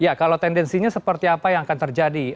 ya kalau tendensinya seperti apa yang akan terjadi